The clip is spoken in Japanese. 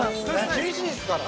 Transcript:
◆厳しいですから。